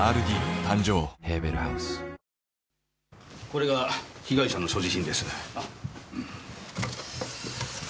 これが被害者の所持品です。